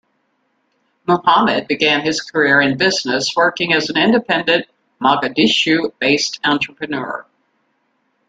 Muhammad began his career in business, working as an independent Mogadishu-based entrepreneur.